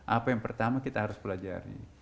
apa yang pertama kita harus pelajari